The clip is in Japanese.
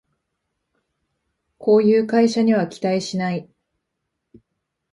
こういう会社には期待しない